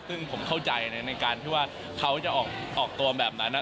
ซึ่งผมเข้าใจในการที่ว่าเขาจะออกตัวแบบนั้น